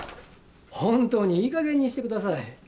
ホントにいいかげんにしてください。